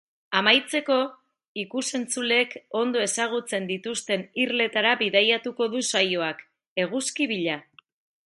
Amaitzeko, ikus-entzuleek ondo ezagutzen dituzten irletara bidaiatuko du saioak, eguzki bila.